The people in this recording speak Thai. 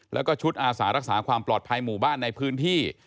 แล้วก็ชุดอาสารักษาความปลอดภัยหมู่บ้านในพื้นที่